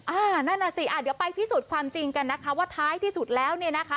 นั่นน่ะสิอ่ะเดี๋ยวไปพิสูจน์ความจริงกันนะคะว่าท้ายที่สุดแล้วเนี่ยนะคะ